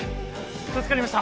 助かりました。